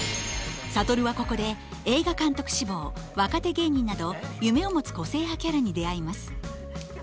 諭はここで映画監督志望若手芸人など夢を持つ個性派キャラに出会います。